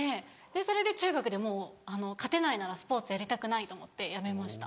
それで中学でもう勝てないならスポーツやりたくないと思ってやめました。